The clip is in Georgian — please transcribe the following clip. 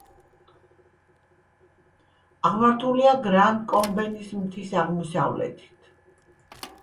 აღმართულია გრან-კომბენის მთის აღმოსავლეთით.